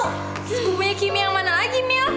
sepupunya kimi yang mana lagi mil